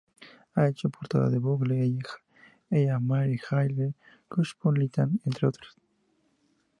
Ha hecho portadas de Vogue, Elle, Marie Claire, Cosmopolitan, entre otros.